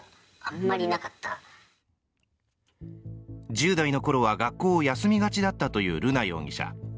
１０代のころは学校を休みがちだったという瑠奈容疑者。